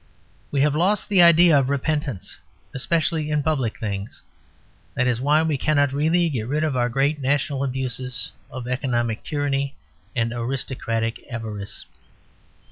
We have lost the idea of repentance; especially in public things; that is why we cannot really get rid of our great national abuses of economic tyranny and aristocratic avarice.